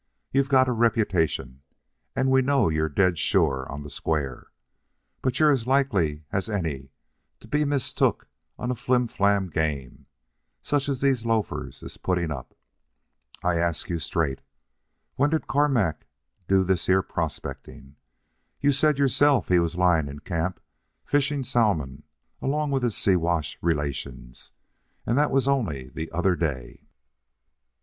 "You've got a reputation, and we know you're dead sure on the square. But you're as likely as any to be mistook on a flimflam game, such as these loafers is putting up. I ask you straight: When did Carmack do this here prospecting? You said yourself he was lying in camp, fishing salmon along with his Siwash relations, and that was only the other day."